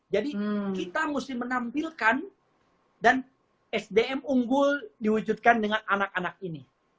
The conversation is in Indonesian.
jadi kita mesti menampilkan dan sdm unggul diwujudkan dengan anak anak ini